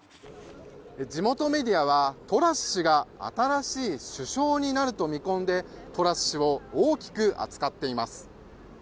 地元メディアはトラス氏が新しい首相になると見込んでトラス氏を大きく扱っています。